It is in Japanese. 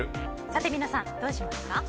さて皆さん、どうしますか？